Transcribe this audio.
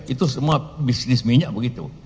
itu semua bisnis minyak begitu